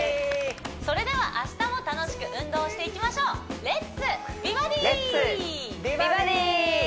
それでは明日も楽しく運動していきましょう「レッツ！美バディ」「レッツ！